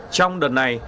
trong đợt này